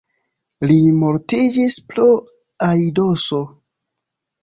Li mortiĝis pro aidoso.